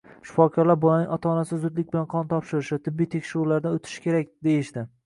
Shifokorlar bolaning ota-onasi zudlik bilan qon topshirishi, tibbiy tekshiruvlardan o`tishi kerak, deyishdi